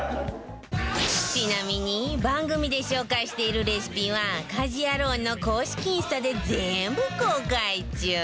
ちなみに番組で紹介しているレシピは『家事ヤロウ！！！』の公式インスタで全部公開中